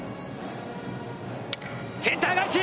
センター返し。